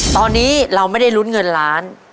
ตอนนี้เราไม่ได้ลุ้นเงินล้าน